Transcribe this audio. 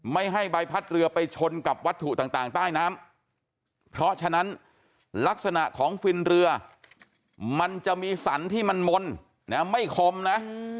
ไม่ให้ใบพัดเรือไปชนกับวัตถุต่างใต้น้ำเพราะฉะนั้นลักษณะของฟินเรือมันจะมีสันที่มันมนไม่คมนะ